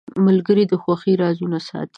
ملګری د خوښۍ رازونه ساتي.